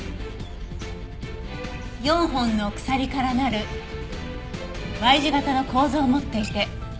４本の鎖からなるＹ字形の構造を持っていて。